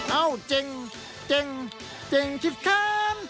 เอ้าเจ๋งเจ๋งเจ๋งจิ๊บขาว